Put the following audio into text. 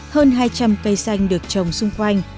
hơn hai trăm linh cây xanh được trồng xung quanh